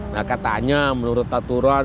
nah katanya menurut aturan